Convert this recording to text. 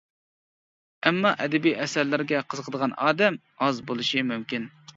ئەمما ئەدەبىي ئەسەرلەرگە قىزىقىدىغان ئادەم ئاز بولۇشى مۇمكىن.